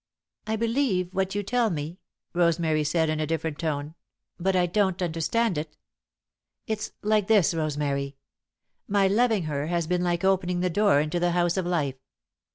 "I believe what you tell me," Rosemary said, in a different tone, "but I don't understand it." "It's like this, Rosemary. My loving her has been like opening the door into the House of Life.